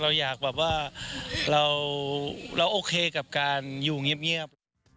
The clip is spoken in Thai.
เราอยากแบบว่าเราโอเคกับการอยู่เงียบ